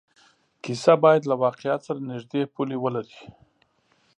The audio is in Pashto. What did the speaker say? کیسه باید له واقعیت سره نږدې پولې ولري.